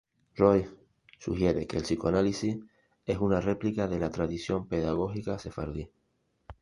Roiz sugiere que el psicoanálisis es una replica de la tradición pedagógica sefardí.